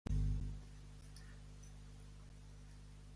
Merda pels que quedin!